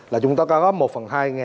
là chúng ta có thể tìm ra những cái cơ chế